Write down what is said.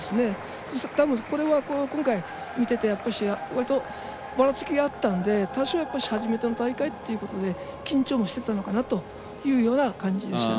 これは、たぶん今回見ていてわりとばらつきがあったので初めての大会ということで緊張もしてたのかなという感じでした。